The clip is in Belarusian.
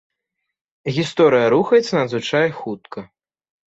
Гісторыя рухаецца надзвычай хутка.